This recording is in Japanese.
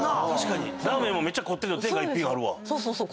ラーメンもめっちゃこってりの天下一品あるわ。